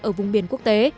ở vùng biển quốc tế